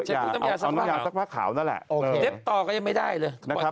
อย่าเอาน้ำยาซักผ้าขาวนั่นแหละโอเคเร็บต่อก็ยังไม่ได้เลยนะครับ